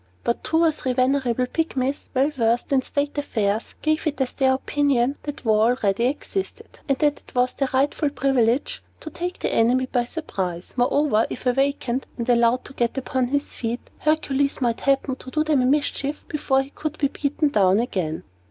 But two or three venerable and sagacious Pygmies, well versed in state affairs, gave it as their opinion that war already existed, and that it was their rightful privilege to take the enemy by surprise. Moreover, if awakened, and allowed to get upon his feet, Hercules might happen to do them a mischief before he could be beaten down again.